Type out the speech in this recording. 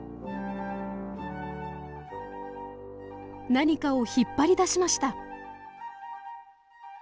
何かを引っ張り出しました。